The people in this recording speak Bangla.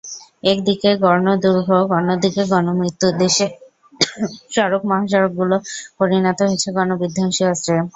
একদিকে গণদুর্ভোগ, অন্যদিকে গণমৃত্যু দিয়ে দেশের সড়ক-মহাসড়কগুলো পরিণত হয়েছে গণবিধ্বংসী অস্ত্রে।